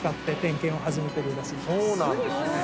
そうなんですね。